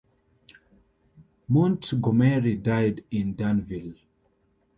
Montgomery died in Danville.